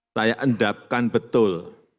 saya endapkan betul